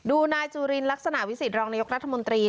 นายจุลินลักษณะวิสิตรองนายกรัฐมนตรี